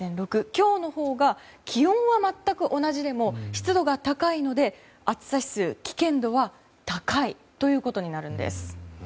今日のほうが気温は全く同じでも湿度が高いので、暑さ指数危険度は高いということになります。